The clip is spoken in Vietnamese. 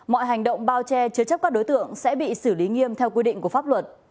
mọi hành động bao che chứa chấp các đối tượng sẽ bị xử lý nghiêm theo quy định của pháp luật